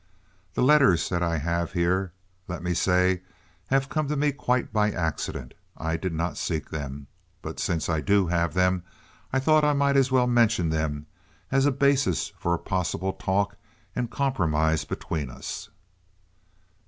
The letters that I have here, let me say, have come to me quite by accident. I did not seek them. But, since I do have them, I thought I might as well mention them as a basis for a possible talk and compromise between us."